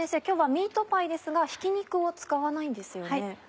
今日はミートパイですがひき肉を使わないんですよね。